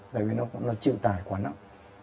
tại vì nó chịu tải quá nặng